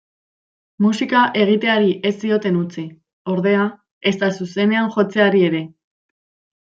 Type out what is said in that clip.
Musika egiteari ez zioten utzi, ordea, ezta zuzenean jotzeari ere.